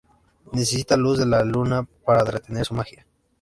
Necesita luz de la luna para retener su magia.